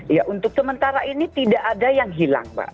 ya untuk sementara ini tidak ada yang hilang mbak